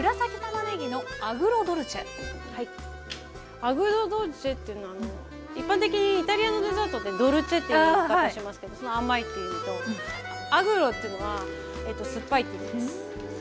アグロドルチェっていうのは一般的にイタリアのデザートって「ドルチェ」って言い方しますけどその「甘い」っていう意味と「アグロ」っていうのは「酸っぱい」っていう意味です。